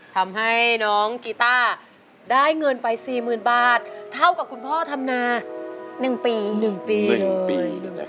ทำให้น้องกีต้าได้เงินไป๔๐๐๐๐บาทเท่ากับคุณพ่อธรรมนา๑ปี